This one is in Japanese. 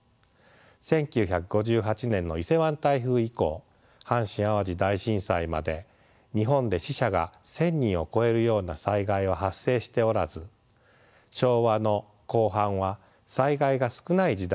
１９５８年の伊勢湾台風以降阪神・淡路大震災まで日本で死者が１，０００人を超えるような災害は発生しておらず昭和の後半は災害が少ない時代でした。